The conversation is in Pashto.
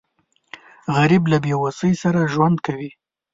غریب له بېوسۍ سره ژوند کوي